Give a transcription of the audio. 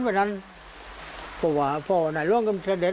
แร่งดีเลยแร่งเลี่ยน